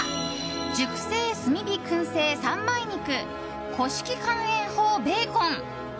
熟成炭火燻製三枚肉古式乾塩法ベーコン。